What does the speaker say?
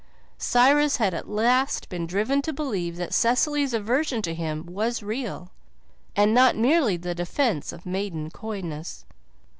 Cyrus had at last been driven to believe that Cecily's aversion to him was real, and not merely the defence of maiden coyness.